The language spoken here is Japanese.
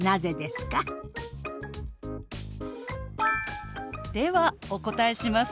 ではお答えします。